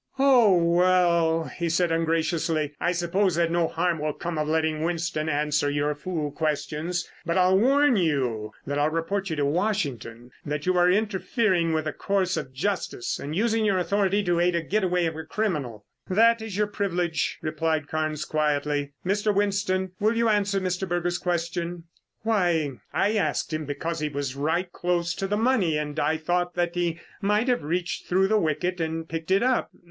"Oh well," he said ungraciously. "I suppose that no harm will come of letting Winston answer your fool questions, but I'll warn you that I'll report to Washington that you are interfering with the course of justice and using your authority to aid the getaway of a criminal." "That is your privilege," replied Carnes quietly. "Mr. Winston, will you answer Mr. Berger's question?" "Why, I asked him because he was right close to the money and I thought that he might have reached through the wicket and picked it up.